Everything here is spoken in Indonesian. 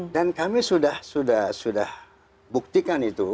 dan kami sudah buktikan itu